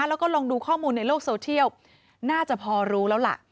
แล้วก็ลองดูข้อมูลในโลกโซเทียลน่าจะพอรู้แล้วล่ะ